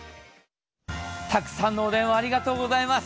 たくさんのお電話ありがとうございます。